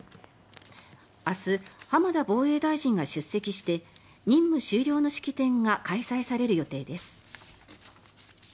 明日、浜田防衛大臣が出席して任務終了の式典が開催される予定です。